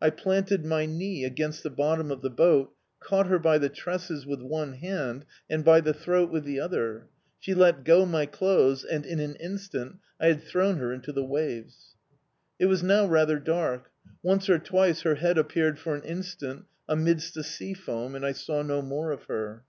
I planted my knee against the bottom of the boat, caught her by the tresses with one hand and by the throat with the other; she let go my clothes, and, in an instant, I had thrown her into the waves. It was now rather dark; once or twice her head appeared for an instant amidst the sea foam, and I saw no more of her.